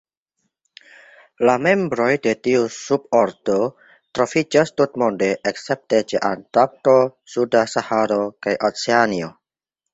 La membroj de tiu subordo troviĝas tutmonde escepte ĉe Antarkto, suda Saharo, kaj Oceanio.